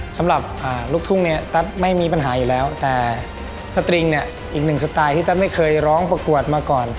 สำหรับลูกทุ่งเนี่ยตั๊ดไม่มีปัญหาอยู่แล้วแต่สตริงเนี่ยอีกหนึ่งสไตล์ที่ตั๊ดไม่เคยร้องประกวดมาก่อน